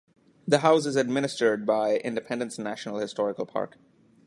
The house is administered by Independence National Historical Park.